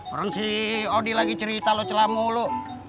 orang si odi lagi cerita loh celah mulu